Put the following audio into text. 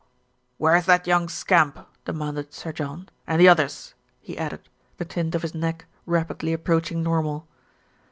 "Where's that young scamp?" demanded Sir John, "and the others?" he added, the tint of his neck rapidly approaching normal.